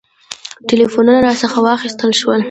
ټلفونونه راڅخه واخیستل شول.